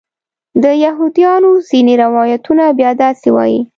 د یهودیانو ځینې روایتونه بیا داسې وایي.